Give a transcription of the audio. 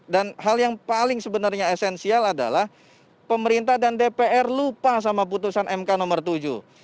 dan hal yang paling sebenarnya esensial adalah pemerintah dan dpr lupa sama putusan mk nomor tujuh